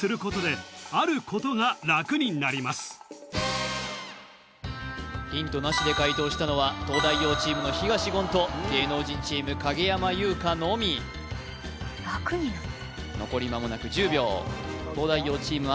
車いすをヒントなしで解答したのは東大王チームの東言と芸能人チーム影山優佳のみ残り間もなく１０秒東大王チーム